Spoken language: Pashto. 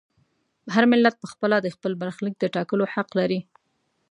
هر ملت په خپله د خپل برخلیک د ټاکلو حق لري.